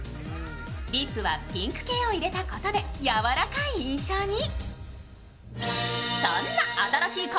リップはピンク系を入れたことでやわらかい印象に。